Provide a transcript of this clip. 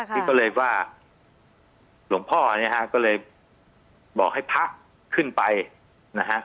นี่ก็เลยว่าหลวงพ่อเนี่ยฮะก็เลยบอกให้พระขึ้นไปนะฮะ